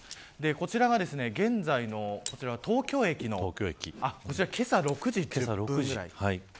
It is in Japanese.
こちらが現在の東京駅のけさ６時ごろです。